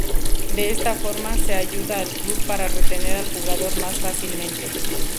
De esta forma, se ayuda al club para retener al jugador más fácilmente.